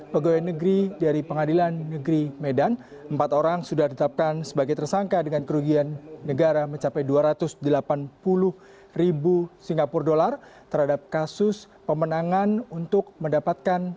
saya berterima kasih kepada pak ketua dan pak ketua keputusan